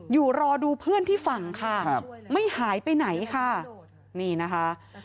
อยู่รอดูเพื่อนที่ฝั่งค่ะไม่หายไปไหนค่ะนี่นะคะ